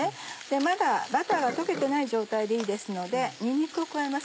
まだバターが溶けてない状態でいいですのでにんにくを加えます。